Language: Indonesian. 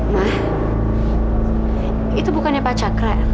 nah itu bukannya pak cakra